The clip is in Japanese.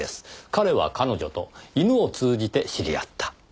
“彼”は“彼女”と犬を通じて知り合った。